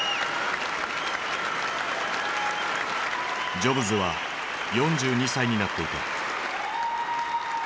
ジョブズは４２歳になっていた。